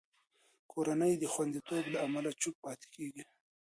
کورنۍ د خوندیتوب له امله چوپ پاتې کېږي.